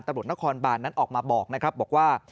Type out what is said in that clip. ตำรวจนครบานนั้นออกมาบอกนะครับบอกว่า